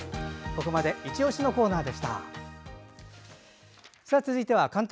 ここまでいちオシのコーナーでした。